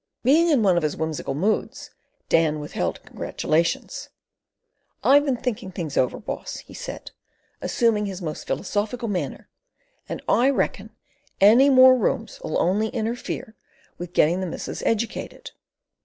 Being in one of his whimsical moods, Dan withheld congratulations. "I've been thinking things over, boss," he said, assuming his most philosophical manner "and I reckon any more rooms'll only interfere with getting the missus educated."